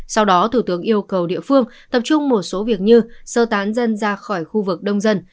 sau đó thủ tướng yêu cầu địa phương tập trung một số việc như sơ tán dân ra khỏi khu vực đông dân